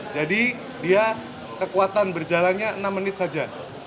jadi dia kekuatan berjalannya enam menit saja